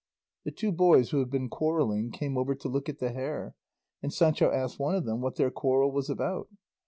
The two boys who had been quarrelling came over to look at the hare, and Sancho asked one of them what their quarrel was about.